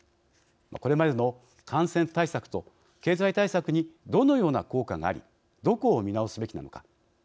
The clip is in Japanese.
これまでの感染対策と経済対策にどのような効果がありどこを見直すべきなのか。